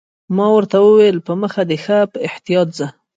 ما ورته وویل: په مخه دې ښه، په احتیاط ځه.